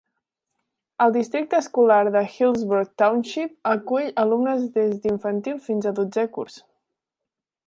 El Districte escolar de Hillsborough Township acull alumnes des d'infantil fins al dotzè curs.